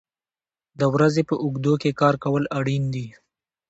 د ورځې په اوږدو کې کار کول اړین دي.